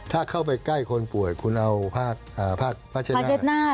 ถ้าเข้าไปใกล้คนป่วยคุณเอาผ้าชนะ